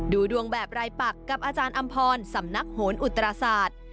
ดูดวงแบบรายปักกับอาจารย์อำพรสำนักโหนอุตราศาสตร์